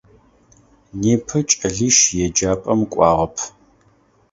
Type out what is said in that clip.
Непэ кӏэлищ еджапӏэм кӏуагъэп.